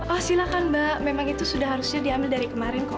oh silakan mbak memang itu sudah harusnya diambil dari kemarin kok